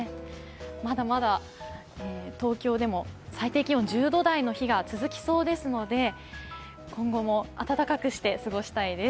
まだまだ東京でも最低気温１０度台の日が続きそうですので今後も暖かくして過ごしたいです。